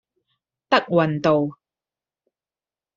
德雲道